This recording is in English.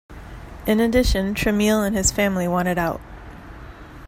In addition, Tramiel and his family wanted out.